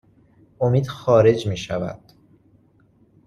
امید خارج می شود